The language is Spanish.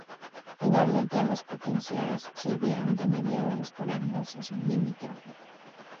Finalmente, ambas potencias sirvieron de mediadores para la negociación limítrofe.